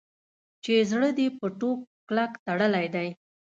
چې زړه دې په ټوک کلک تړلی دی.